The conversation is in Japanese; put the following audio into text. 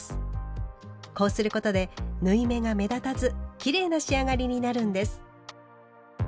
こうすることで縫い目が目立たずきれいな仕上がりになるんです。